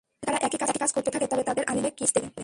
যদি তারা একই কাজ করতে থাকে তবে তাদের আলিঙ্গন করে কিস দেবে।